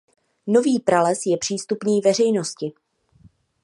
Nový prales je přístupný veřejnosti.